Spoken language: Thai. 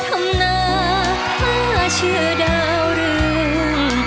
ตอนทำหน้าก็ชื่อดาวเรือง